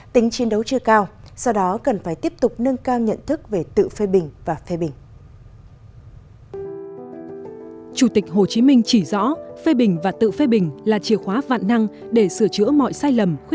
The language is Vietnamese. tính chiến đấu chưa cao do đó cần phải tiếp tục nâng cao nhận thức về tự phê bình và phê bình